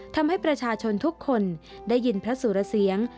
ทำให้ประชาชนทุกคนได้ยินพระสุรเสียง